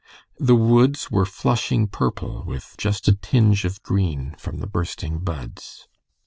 The woods were flushing purple, with just a tinge of green from the bursting buds.